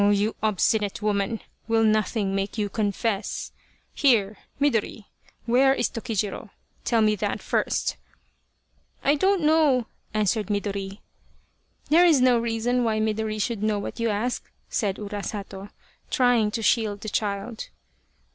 " Oh, you obstinate woman will nothing make you 150 Urasato, or the Crow of Dawn confess ? Here, Midori where is Tokijiro ? Tell me that first ?"" I don't know," answered Midori. " There is no reason why Midori should know what you ask," said Urasato, trying to shield the child.